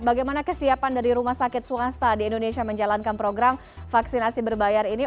bagaimana kesiapan dari rumah sakit swasta di indonesia menjalankan program vaksinasi berbayar ini